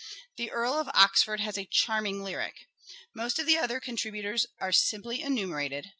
" The Earl of Oxford has a charming lyric." Most of the other contributors are simply enumerated.